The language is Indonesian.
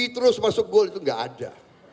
terus masuk gol itu nggak ada